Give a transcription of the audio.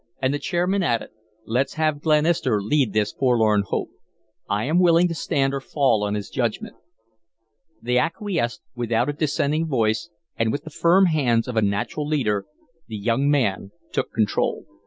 And the chairman added: "Let's have Glenister lead this forlorn hope. I am willing to stand or fall on his judgment." They acquiesced without a dissenting voice and with the firm hands of a natural leader the young man took control.